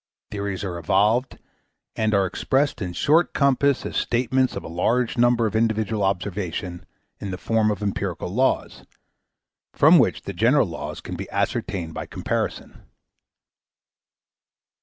Theories are evolved and are expressed in short compass as statements of a large number of individual observations in the form of empirical laws, from which the general laws can be ascertained by comparison.